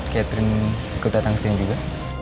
catherine ikut datang sini juga